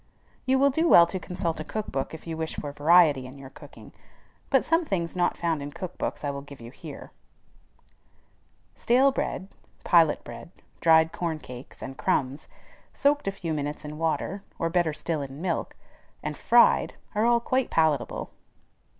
You will do well to consult a cook book if you wish for variety in your cooking; but some things not found in cook books I will give you here. Stale bread, pilot bread, dried corn cakes, and crumbs, soaked a few minutes in water, or better still in milk, and fried, are all quite palatable.